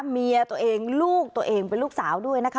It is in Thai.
เมียตัวเองลูกตัวเองเป็นลูกสาวด้วยนะคะ